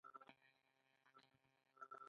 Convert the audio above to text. ایا د ځیګر فعالیت مو کتلی دی؟